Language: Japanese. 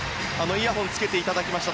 イヤホンをつけていただきました。